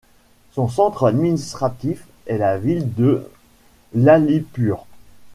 Son centre administratif est la ville de Lalitpur.